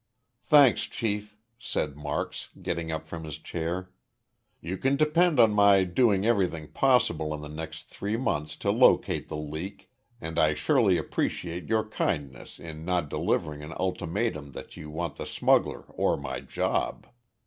"Thanks, Chief," said Marks, getting up from his chair. "You can depend upon my doing everything possible in the next three months to locate the leak and I surely appreciate your kindness in not delivering an ultimatum that you want the smuggler or my job.